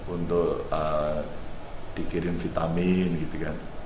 untuk dikirim vitamin gitu kan